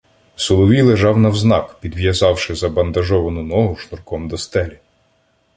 Соловій лежав навзнак, підв'язавши забандажовану ногу шнурком до стелі.